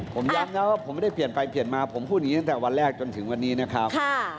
ผมย้ำนะว่าผมไม่ได้เปลี่ยนไปเปลี่ยนมาผมพูดอย่างนี้ตั้งแต่วันแรกจนถึงวันนี้นะครับ